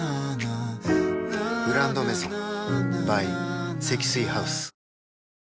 「グランドメゾン」ｂｙ 積水ハウス